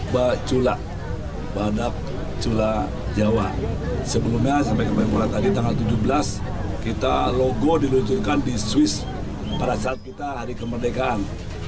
bacula badak cula jawa sebelumnya sampai kemarin pula tadi tanggal tujuh belas kita logo diluncurkan di swiss pada saat kita hari kemerdekaan